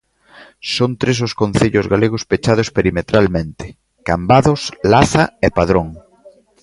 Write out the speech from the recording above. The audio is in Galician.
Son tres os concellos galegos pechados perimetralmente: Cambados, Laza e Padrón.